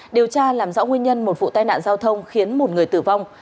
điều tra làm rõ nguyên nhân một vụ tai nạn giao thông khiến một người tử vong